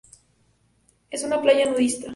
Es una playa nudista.